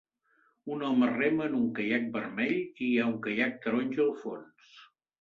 Un home rema en un caiac vermell i hi ha un caiac taronja al fons.